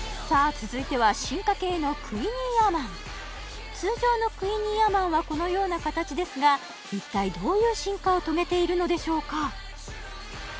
続いては進化系のクイニーアマン通常のクイニーアマンはこのような形ですが一体どういう進化を遂げているのでしょうか？